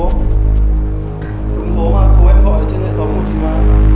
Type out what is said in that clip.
nhầm số mà số em gọi trên hệ thống của chị mà